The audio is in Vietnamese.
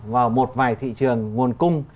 vào một vài thị trường nguồn cung